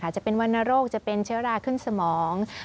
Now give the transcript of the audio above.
จะเป็นวรรณโรคจะเป็นเชื้อราขึ้นสมอง